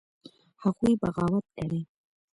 هغوى بغاوت کړى.